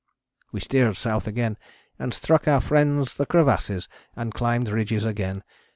We steered south again and struck our friends the crevasses and climbed ridges again.